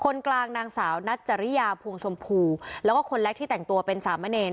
คนกลางนางสาวนัจจริยาพวงชมพูแล้วก็คนแรกที่แต่งตัวเป็นสามเณร